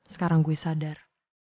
sekarang gue sadar